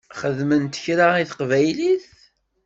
Xedment kra i teqbaylit?